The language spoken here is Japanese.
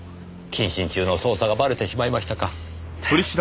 謹慎中の捜査がばれてしまいましたか。